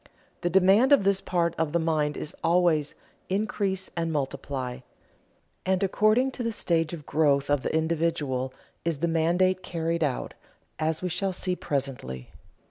The demand of this part of the mind is always "increase and multiply," and according to the stage of growth of the individual is the mandate carried out, as we shall see presently.